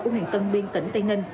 của nền tân biên tỉnh tây ninh